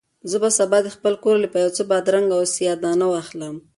زه به سبا د خپل کور لپاره یو څه بادرنګ او سیاه دانه واخلم.